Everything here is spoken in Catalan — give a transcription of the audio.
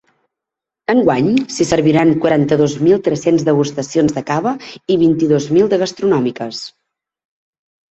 Enguany s’hi serviran quaranta-dos mil tres-cents degustacions de cava i vint-i-dos mil de gastronòmiques.